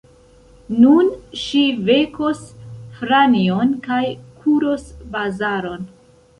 Nun ŝi vekos Franjon kaj kuros bazaron.